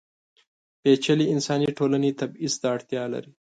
پېچلې انساني ټولنې تبعیض ته اړتیا لري.